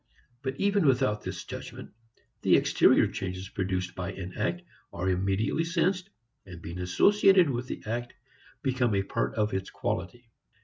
But even without this judgment, the exterior changes produced by an act are immediately sensed, and being associated with the act become a part of its quality.